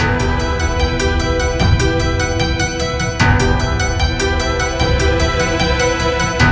ibu tidak apa apa